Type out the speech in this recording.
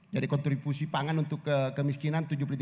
jadi kontribusi pangan untuk kemiskinan tujuh puluh tiga